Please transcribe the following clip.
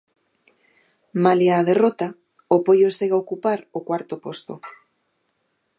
Malia a derrota o Poio segue a ocupar o cuarto posto.